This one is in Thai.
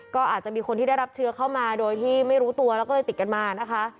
ก็อาจจะมีคนที่ได้รับเชื้อเข้ามาโดยที่ไม่รู้ตัวแล้วก็เลยติดกันมานะคะ